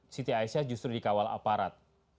siti aisyah justru dikawal aparat